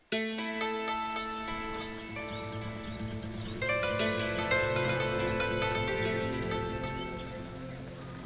kasepuan cina indonesia